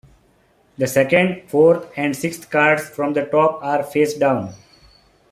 The second, fourth, and sixth cards from the top are face down.